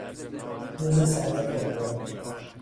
روز سرد پر باد